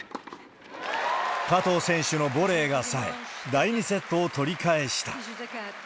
加藤選手のボレーがさえ、第２セットを取り返した。